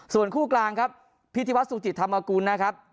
ส่วนคู่กลางครับพิธีวัฒนสุจิตธรรมกุลนะครับ